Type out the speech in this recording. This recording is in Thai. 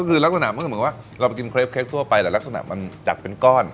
ก็คือรักษณะเหมือนกับว่าเราไปกินครีปเกคทั่วไปรักษณะมันจักรเป็นก้อน